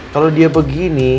kalau dia begini